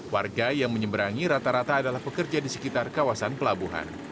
warga yang menyeberangi rata rata adalah pekerja di sekitar kawasan pelabuhan